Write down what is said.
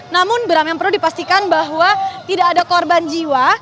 namun bram yang perlu dipastikan bahwa tidak ada korban jiwa